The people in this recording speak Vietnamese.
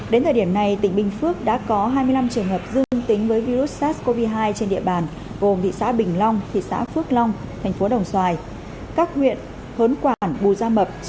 đến thời điểm này tỉnh bình phước đã có hai mươi năm trường hợp dương tính với virus sars cov hai trên địa bàn gồm thị xã bình long thị xã phước long thành phố đồng xoài các huyện hớn quản bù gia mập trân thành lộc ninh